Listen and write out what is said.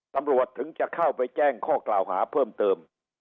ตำรวจถึงจะเข้าไปแจ้งข้อกล่าวหาเพิ่มเติม